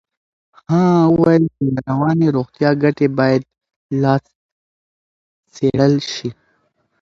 ها وویل د رواني روغتیا ګټې باید لا څېړل شي.